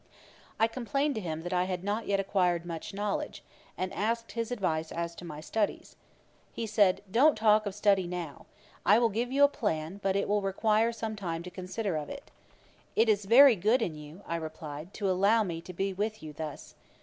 I complained to him that I had not yet acquired much knowledge, and asked his advice as to my studies. He said, 'Don't talk of study now. I will give you a plan; but it will require some time to consider of it.' 'It is very good in you (I replied,) to allow me to be with you thus.